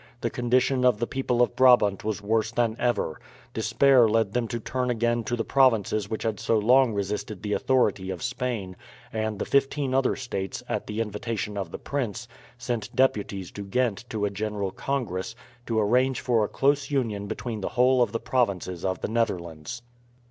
The condition of the people of Brabant was worse than ever. Despair led them to turn again to the provinces which had so long resisted the authority of Spain, and the fifteen other states, at the invitation of the prince, sent deputies to Ghent to a general congress, to arrange for a close union between the whole of the provinces of the Netherlands.